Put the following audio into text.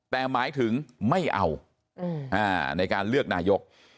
แต่หมายถึงไม่เอาในการเลือกนายก